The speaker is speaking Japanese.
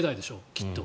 きっと。